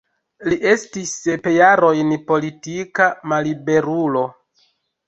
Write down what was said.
Li estis sep jarojn politika malliberulo.